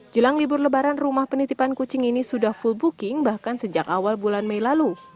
jelang libur lebaran rumah penitipan kucing ini sudah full booking bahkan sejak awal bulan mei lalu